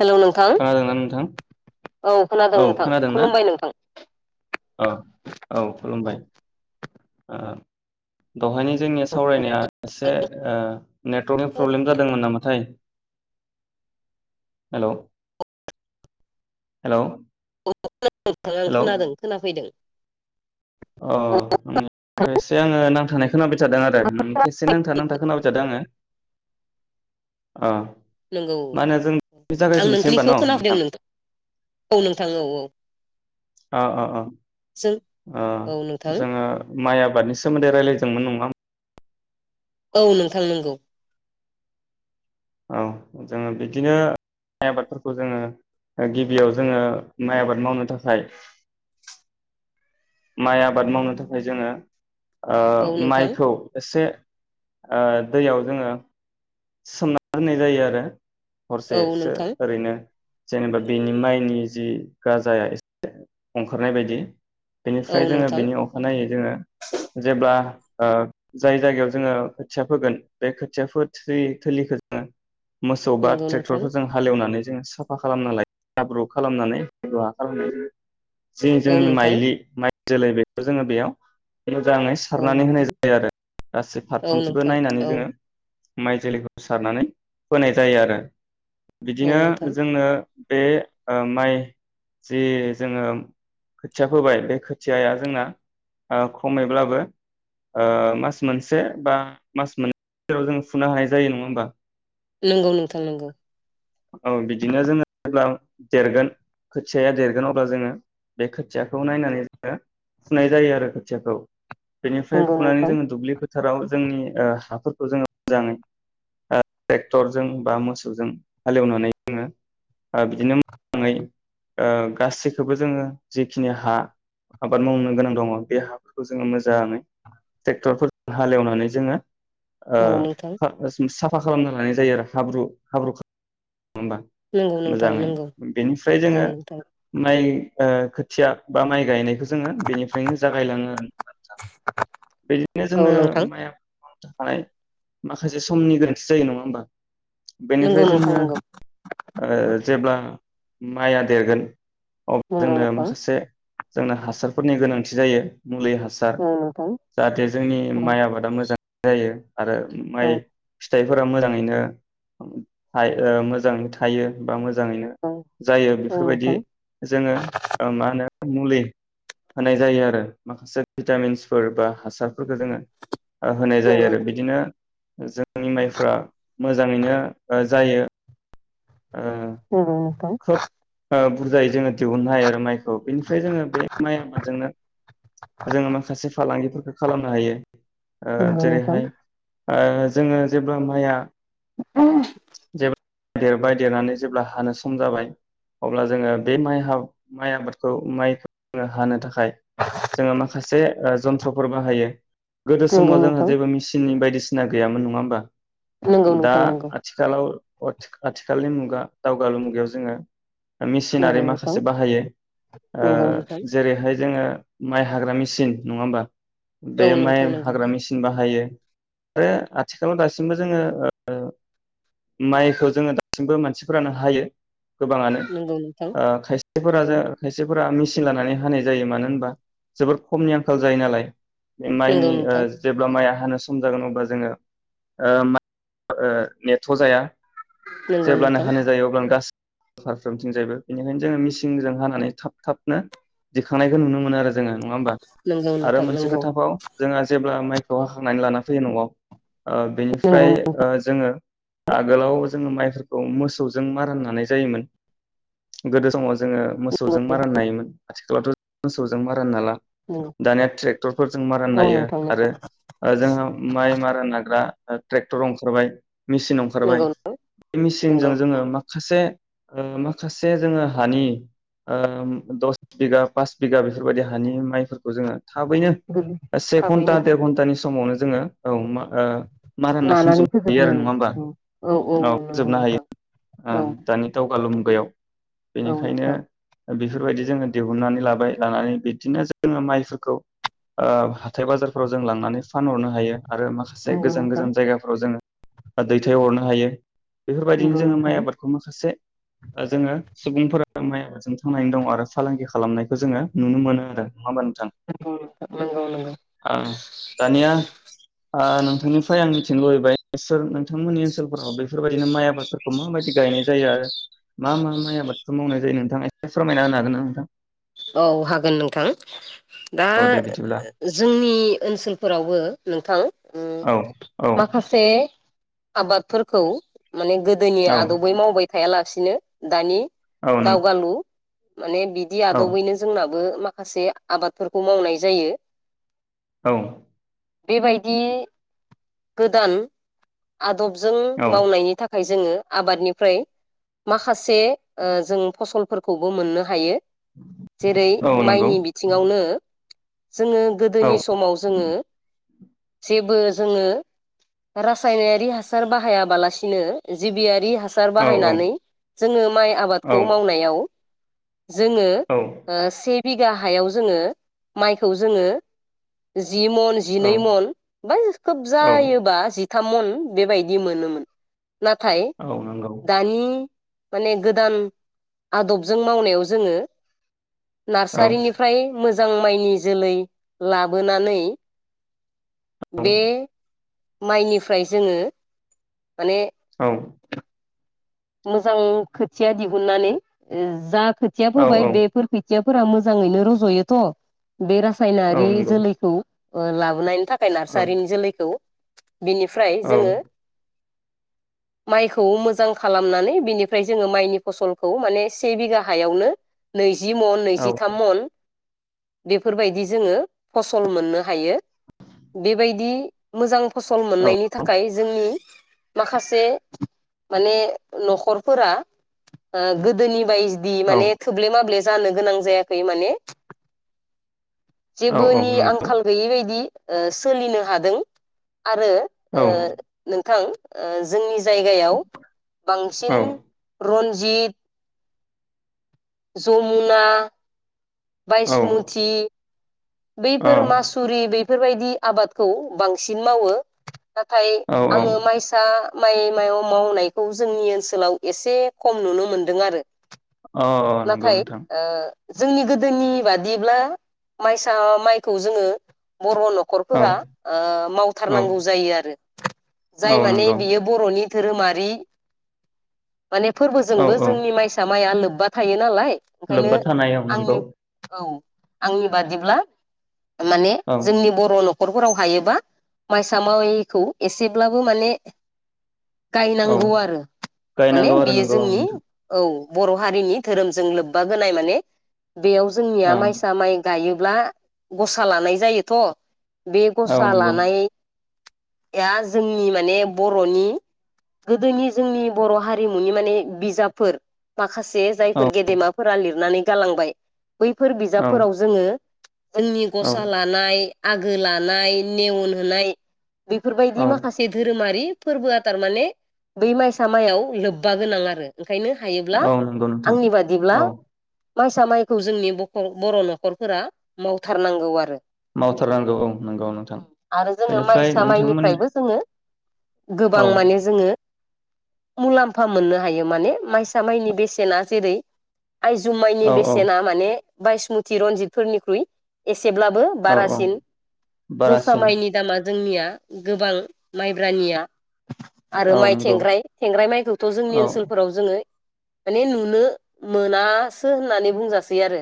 Hello नोंथां खोनादोंना नोंथां? औ खोनादों नोंथां खुलुमबाय नोंथां। औ औ खुलुमबाय दहायनि जोंनिया सावरायनाया एसे ओ नेटवर्कि प्रब्लेम जादोंमोन नामा? हेल हेलौ [inaudible] आं हेलौ खोनादों खोनाफैदों। अ [unintelligible] से आङो नांथानाय खोनाबाय थादों आरो नोंनिखो से नांथा नांथा खोनाबाय थादों आङो। ओ नोंगौ आं होमबा नोंथानिखौ न' खोनाफैदों नोंथां औ नोंथां औ औ। अ अ जों ओ औ नोंथां जोङो। माइ आबादनि सोमोन्दै रायज्लायदोंमोन नङा। औ नोंथां नंगौ औ जोङो बिदिनो माइ आबादफोरखौ जोङो गिबियाव जोङो माइ आबाद मावनो थाखाय माइ आबाद मावनो थाखाय जोङो औ ओ नोंथां माइखौ एसे ओ दैयाव जोङो सोमना दोननाय जायो आरो औ हरसेसो नोंथां ओरैनो। जेनेबा बिनि माइनि जि गाजाया एसे ओंखारनाय बायदि। औ बेनिफ्राय जोङो नोंथां बिनि अखानायै जोङो जेब्ला ओ जाय जायगायाव जोङो खोथिया फोगोन बे खोथियाफोद थ्रि थोलिखो जोङो मोसौ बा नंगौ नोंथां ट्रेक्टरफोरजों हालेवनानै जों साफा खालामना लायो हाब्रु खालामनानै [unintelligible] खालाम। जे औ जोंनि नोंथां माइलि माइद जोलै बेखो जोङो बेयाव मोजाङै औ सारनानै नोंथां होनाय जायो आरो गासै औ फारफ्रोमथिंबो नोंथां नायनानै औ जोङो। माइ जोलैखौ सारनानै होनाय जायो आरो। औ बिदिनो नोंथां जोंनो बे ओ माइ जि जोङो खोथिया फोबाय बे खोथियाया जोंना ओ खमैब्लाबो ओ मास मोनसे बा मास मोननै गेजेराव जोङो फुनो हानाय जायो नङा होमबा? नोंगौ नोंथां नोंगौ। ओं बिदिनो जोङो जेब्ला देरगोन खोथियाया देरगोन अब्ला जोङो बे खोथियाखौ नायनानै जोङो फुनाय जायो आरो खोथियाखौ बेनिफ्राय नंगौ फुनानै नोंथां जोङो दुब्लिफोर बोथाराव जोंनि ओ हाफोरखौ जोङो मोजाङै ओ टेक्टरजों बा मोसौजों हालेवनानै जोङो बिदिनो ओ मोजाङै ओ गासैखौबो जोङो जिखिनि हा आबाद मावनो गोनां दङ बे हाफोरखौ जोङो मोजाङै टेक्टरफोर हालेवनानै जोङो ओ औ नोंथां खार [unintelligible] फा खालामना लानाय जायो आरो हाब्रु हाब्रु खा होमबा नंगौ नोंथां मोजाङै नंगौ बेनिफ्राय औ जोङो नोंथां माइ ओ खोथिया बा माइ गायनायखो। जोंङो बेनिफ्रायनो जागायलाङो बेदिनो औ जोंङो नोंथां माइ आ थाखाय माखासे समनि गोनांथि जायो नङा होमबा? बेनिफ्राय नंगौ नोंथां नो नंगौ ओ जेब्ला माइया देरगोन अब नंगौ जोंनो नोंथां माखासे जोंना हासारफोरनि गोनांथि जायो। मुलै हासार औ नोंथां जाहाथे जोंनि औ माइ आबादा मोजां। जायो। आरो औ माइब फिथाइफोरा मोजाङैनो । थाय ओ मोजाङैनो थायो बा मोज जाङैनो औ जायो औ बेफोरबायदि नोंथां जोङो ओ मा होनो मुलै होनाय जायो आरो माखासे भिटामिन्सफोर बा हासारफोरखो जोङो। ओ होनाय जायो नंगौ आरो बिदिनो जोंनि माइफ्रा मोजाङैनो जायो ओ औ खोब ओ बुरजायै जोङो दिहुननो हायो आरो माइखौ बेनिफ्राय जोङो बे माइ आबादजोंनो जोङो माखासे फालांगिफोर बो खालामनो हायो। ओ नंगौ नोंथां जेरैहाय ओ जोङो जेब्ला माइया [unintelligible] देरबाय देरनानै जेब्ला हानो सान सम जाबाय अब्ला जोङो बे माइ माइ आबादखौ माइखौ हानो थाखाय फाय जोङो माखासे ओ जन्थ्रफोर बाहायो गोदो नंगौ समाव जोंहा नोंथां जेबो मिसिननि बायदिस सिना गैयामोन नङा होमबा नंगौ दा नोंथां आथिखालाव अ थिख आथिखालनि मुगा दावगालु मुग बेयाव जोङ मिचिनारि नंगौ माखासे बाहायो ओ नंगौ नोंथां नंगौ नोंथां जेरैहाय जोङो माइ हाग्रा मेसिन नङा होमबा औ बे माइ नोंथां नंगौ हाग्रा मिसिन बाहायो। रो आथिखालाव दासिमबो जोङो ओ माइखौ जोङो दासिमबो मानसि सिफोरानो हायो। गोबाङानो नंगौ नोंथां ओ खायसेफोरा नंगौ ज खायसे फोरा मिचिन लानानै हानाय जायो मानो होनबा जोबोर खमनि आंखाल जायो नालाय। नंगौ माइनि ओ नोंथां जेब्ला माइया हानो सम जागोन अब्ला जोङो ओ मा ओ नेथ' जाया। नंगौ जेब्लानो नोंथां हानाय जायो अब्लानो गासै फारफ्रोमथिंजायबो बेनिखायनो जोङो मेसिनजों हानानै थाब थाबनो दिखांनायखौ नुनो मोनो आरो जोङो नङा होमबा? आरो मोनसे नंगौ नोंथां नंगौ खोथा बाव जोंहा जेब्ला माइ हाखांनानै लाना फैयो नआव ओ नंगौ बेनिफ्राय ओ जोङो आगोलाव जों माइफोरखौ मोसौजों मारा होनानै जायोमोन गोदो समाव जोङो मोसौजों मारा होनो हायोमोन आथिखालावथ मोसौजों मारा होनो हाला नंगौ दानिया ट्रेक्टरफोरजों मारा औ होनो हायो नोंथां आरो नंगौ जोंहा माइ मारा नाग्रा ओ ट्रेक्टर अंखारबाय। मेचिन अंखारबाय नंगौ नोंथां बे नंगौ मेचिनजों जोङो माखासे ओ माखासे जोङो हानि ओ दस बिगा, पास बिगा बेफोरबायदि हानि माइफोर खौ जोङो थाबैनो से घन्टा, थाबैनो देर घन्टानि समावनो जोङो औ मा ओ मार होना [unintelligible] लानानै जोबनो हायो फोजोबनो आरो नङा होमबा औ फोजोबनो हायो। औ ओ दानि दावगालु मुगायाव औ बेनिखायनो नोंथां बेफोरबायदि जोङो दिहुननानै लाबाय। लानानै बिदिनो जोङो माइफोरखौ ओ हाथाय बाजारफोराव जों लांनानै फानहरनो हायो। आरो माखासे नंगौ गोजान नोंथां गोजान जायगाफोराव जोङो दैथायहरनो हायो। बेफोरबायदिनो नंगौ जोङो माइ नोंथां आबादखौ मो ओ जोङो सुबुंफोरा माइ आबादजों थांनानै दं आरो फालांगि खालामनायखौ जोङो नुनो मोनो आरो नङा होमबा थां, नंगौ नोंथां नंगौ नंगौ ओ दानिया ओ नोंथांनिफ्राय आं थिनो लुबैबाय सोर नोंथांमोननि ओनसोलफोराव बेफोरबायदिनो माइ आबादफोरखौ माबायदि गायनाय जा जायो आरो मा मा माइ आबादखो मावनाय जायो नों नोंथाङा एसे फोरमायना होनो हागोनना नोंथां? औ हागोन नोंथां। दा औ दे बिदिब्ला जोंनि ओनसोलफोरावबो नोंथां औ औ माखासे आबादफोरखौ माने गोदोनि औ आदबै मावबाय थायाला सिनो दानि औ नंगौ दावगालु माने बिदि औ औ दबैनो जोंनाब बो माखासे आबादफोरखौ मावनाय जायो। औ बेबायदि गोदान आदब जों मावनायनि था थाखाय जोङो आबादनिफ्राय माखासे ओ जों फसलफोरखौबो मोननो हायो जेरै औ नंगौ माइनि बिथिङावनो जोङो औ गोदोनि समाव जोङो जेबो जोङो रासायनारि हासार बाहायाबालासिनो जिबियारि हासार औ औ बायनानै जोङो माइ औ आबादखौ मावनायाव जोङो से बिघा हायाव जोंङो माइखौ जोंङो जि मन औ जिनै मन बा खोब जायोबा जि थाम मन बेबायदि मोनोमोन नाथाय औ नंगौ दानि माने गोदान आदबजों मावनायाव जोङो औ नार्सारिनिफ्राय मोज मोजां माइनि जोलै लाबोनानै औ बे माइनिफ्राय जोङो माने औ मोजां खोथिया दिहुननानै जा खोथिया औ फोबाय औ बेफोर खोथिया फोरा मोजाङैनो रजयोथ बे औ रासायनारि नंगौ जोलैखौ अ लाबोनाय थाखाय औ नार्सारिनि जोलैखौ बिनिफ्राय जोङो माइखौ मोजां खा खालामनानै बेनिफ्राय जोंङो माइनि फसलखौ माने से बिघा हायावनो नै जि मन औ नैजिथाम मन बेफोरबायदि जोङो फसल मोननो हायो बेबायदि मोजां फसल मोननायनि थाखाय जोंनि माखासे माने नख'रफोरा ओ गोदोनि बाय बि औ माने थोब्ले माब्ले जानो गोनां जायाखै माने औ औ जेबोनि नंगौ आंखाल गैयि बायदि ओ सोलिनो हादों आरो औ ओ नोंथां। ओ जोंनि जायगायाव औ बांसिन रन। जिद जमुना। औ बायषमुथि। बैफोरोर मासुरि बैफ बेफोरबायदि आबादखौ बांसिन मावो। नाथाय औ आङो माइसा माइ मायाव मावनायखौ जोंनि ओनसोलाव एसे खम नुनो मोनदों आरो औ औ नंगौ नाथाय नोंथां ओ जोंनि गो गोदोनि बादिब्ला माइसा माइखौ जोङो बर' औ नखरफोरा औ मावथारनांगौ जायो आरो। औ जाय माने नंगौ बियो बर'नि दोरोमारि माने औ फोरबोजोंबो औ जोंनि माइसा माइआ बब्बा थायो नालाय ओंखायनो लोब्बा थानायाव आंनि नोंगौ औ आंनि बादिब्ला माने औ जोंनि बर' न नख'रफोराव हायोबा माइसा मायखौ एसेब्लाबो माने औ गायनांगौ आरो माने गायनांगौ आरो बेयो नंगौ औ जोंनि नोंथां औ। बर हारिनि धोरोमजों लोब्बा गोनां माने बेयाव जोंनिया औ माइसा माइ गायो। ब्ला गसा लानाय जायोथ' बे औ गसा नंगौ लानाय या जोंनि माने बर'नि गोदोनि जोंनि बर' हारिमुनि माने बिजाबफोर माख माखासे औ जायफोर गेदेमा फोरा लिरनानै गालांबाय बैफोर औ बिजाबफोराव जोङो। उननि औ गसा लानाय आगो लानाय नेेवन होनाय बेफोरबायदि औ माखासे धोरोमारि फोरबोआ तारमाने बै माइसा मायाव लोब्बा गोनां आरो। ओंखायनो हायोब्ला औ नंगौ नोंथां आंनि बादिब्ला। औ माइसा माय खौ जोंनि बखं बर' नख'रफोरा मावथारनांगौ आरो। मावथारनांगौ औ नंगौ नोंथां आरो जोङो बेनिफ्राय माइसा नोंथांमोन माइनिफ्रायबो जोङो गोबां माने जोङो मुलाम्फा मोननो हायो माने माइस माइनि बेसेना जेरै आयजु माइनि औ औ बेसे ने बाइसमुथि रनजितफोरनिख्रुइ एस सेब्लाबो औ औ बारासिन जोसा बारासिन माइनि दामा जोंनिया गोबां माइब्रानिया आरो औ माइ नंगौ थेंग्राय थेंग्राय माइखौथ औ जोंनि ओनसोलफोराव जोङो माने नुनो मोनासो होननानै बुंजासै आरो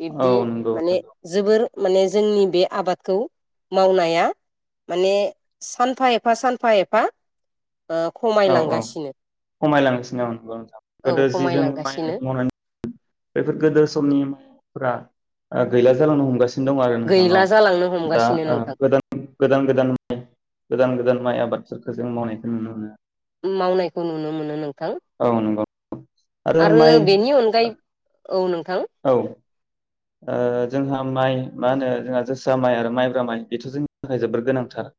बिब्दि औ नंगौ माने नंगौ जोबोर माने जोंनि बे आबादखौ मावनाया माने सानफा एफा सानफा एफा ओ औ औ खमायलांगासिनो खमायलांसिनो ओं नोंथां औ गोदो जि जों माय खमायलांगासिनो आबाद मावनानै बेफोर गोदो समनि [unintelligible] फोरा अ गैला जालांनो हमगासिनो। दं आरो नोंथांनाव गैला जालांनो दा हमगासिनो अ नोंथां गोदान गोदान गोदान माइ गोदान गोदान माइ आबाद बेफोरखौ जों मावनायखौ नुनो मोनो। मावनायखौ नुनो मोनो नों औ नंगौ। आरो बेनि अनगायै। औ नों औ ओ जोंहा माइ मा होनो जोंहा जोसा माइ आरो माइब्रा माइ बेथ जोंनि थाखाय जोबोर गोनांथार।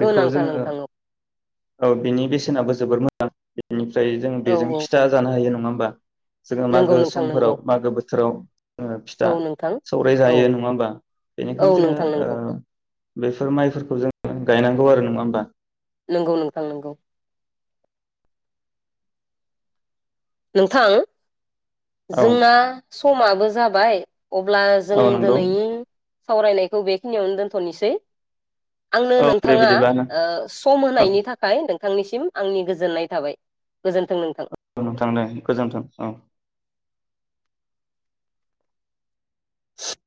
बेखौ गोनांथार जोङो नोंथां औ औ बिनि बेसेनाबो जोबोर मोजां बिनि ओमफ्राय जों औ बेजों फिथा औ जानो हायो नङा होमबा जोङो नंगौ मागो नोंथां नंगौ समफोराव मागो बो जेराव ओ फिथा औ नोंथां सौराय औ जायो नङा होमबा औ बेनिखायनो जोङो नोंथां ओ नंगौ बेफोर माइफोरखौ जोङो गायनांगौ आरो नङा होमबा नंगौ नोंथां नंगौ नोंथां। औ जोंना समाबो जाबाय अब्ला जों औ नंगौ दोनै सावरायनायखौ बेखिनियावनो दोनथनिसै आंनो औ दे नोंथाङा बिदिब्ला ओ सम औ होनायनि थाखाय नों थांनिसिम आंनि गोजोननाय थाबाय गोजोन्थों नोंथां । नोंथां दे गोजोनथों औ । [inaudible]